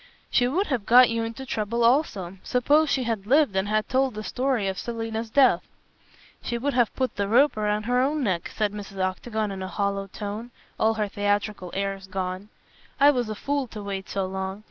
"She would have got you into trouble also. Suppose she had lived and had told the story of Selina's death." "She would have put the rope round her own neck," said Mrs. Octagon in a hollow tone, all her theatrical airs gone. "I was a fool to wait so long.